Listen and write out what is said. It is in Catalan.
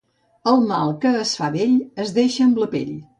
El mal que es fa vell es deixa amb la pell.